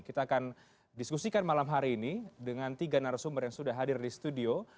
kita akan diskusikan malam hari ini dengan tiga narasumber yang sudah hadir di studio